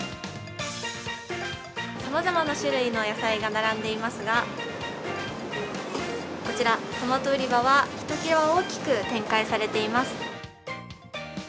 さまざまな種類の野菜が並んでいますが、こちら、トマト売り場はひときわ大きく展開されています。